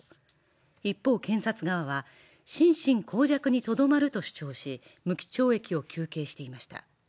一方、検察側は心神耗弱にとどまると主張し、無期懲役を求刑していました。